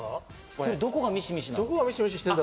どこが「ミシミシ」？